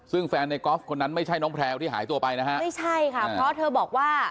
ซึ่งแฟนในกอล์ฟคนนั้นไม่ใช่น้องแพลวที่หายตัวไปนะฮะไม่ใช่ค่ะเพราะเธอบอกว่า